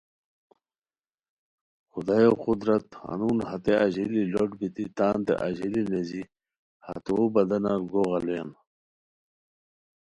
خدایو قدرت ہنون ہتے اژیلی لوٹ بیتی تانتے اژیلی نیزی ہتو بدنار گوغ الویان